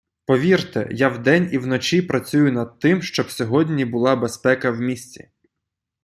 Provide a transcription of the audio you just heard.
Повірте, я вдень і вночі працюю над тим, щоб сьогодні була безпека в місті.